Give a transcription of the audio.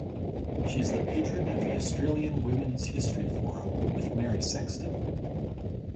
She is the patron of the Australian Women's History Forum with Mary Sexton.